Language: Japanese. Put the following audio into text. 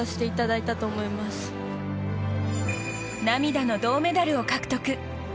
涙の銅メダルを獲得。